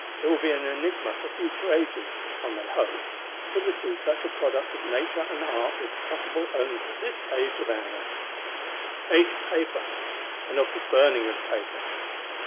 It will be an enigma for future ages, one may hope: hitherto such a product of Nature and Art was possible only for this age of ours,—Age of Paper, and of the Burning of Paper.